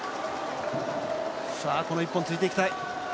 この１本、ついていきたい。